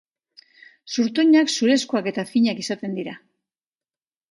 Zurtoinak zurezkoak eta finak izaten dira.